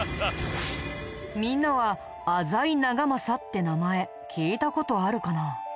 みんなは浅井長政って名前聞いた事あるかな？